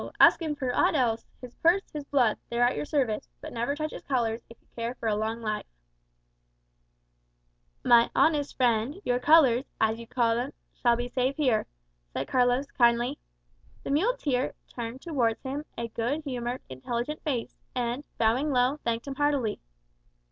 Ask him for aught else his purse, his blood they are at your service; but never touch his colours, if you care for a long life." [#] Arriero, muleteer; alforjas, bags. "My honest friend, your colours, as you call them, shall be safe here," said Carlos, kindly. The muleteer turned towards him a good humoured, intelligent face, and, bowing low, thanked him heartily.